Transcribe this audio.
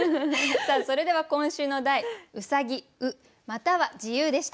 さあそれでは今週の題「兎・卯」または自由でした。